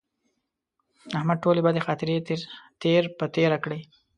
احمد ټولې بدې خاطرې تېر په تېره کړلې.